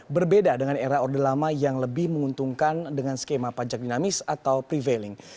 berbeda dengan era orde lama yang lebih menguntungkan dengan skema pajak dinamis atau prevailing